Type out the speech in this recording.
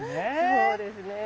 そうですね。